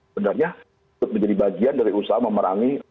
benarnya menjadi bagian dari usaha memerangi